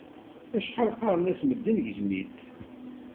Acḥal qqaren-as medden gzem-itt.